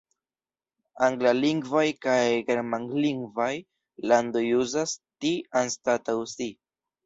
Anglalingvaj kaj germanlingvaj landoj uzas "ti" anstataŭ "si".